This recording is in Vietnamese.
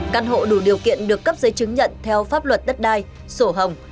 căn hộ đủ điều kiện được cấp giấy chứng nhận theo pháp luật đất đai sổ hồng